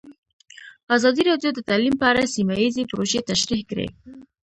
ازادي راډیو د تعلیم په اړه سیمه ییزې پروژې تشریح کړې.